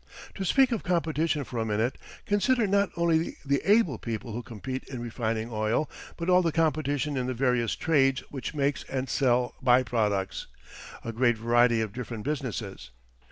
To speak of competition for a minute: Consider not only the able people who compete in refining oil, but all the competition in the various trades which make and sell by products a great variety of different businesses.